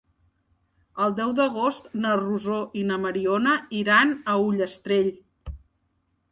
El deu d'agost na Rosó i na Mariona iran a Ullastrell.